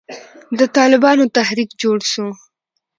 د طالبانو تحريک جوړ سو.